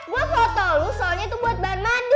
gue foto lo soalnya itu buat bahan mandi